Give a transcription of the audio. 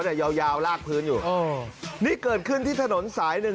แต่ยาวยาวลากพื้นอยู่อ๋อนี่เกิดขึ้นที่ถนนสายหนึ่ง